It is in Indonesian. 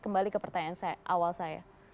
kembali ke pertanyaan awal saya